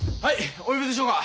お呼びでしょうか。